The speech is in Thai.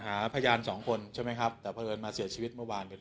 หาพยานสองคนใช่ไหมครับแต่เพราะเอิญมาเสียชีวิตเมื่อวานเป็น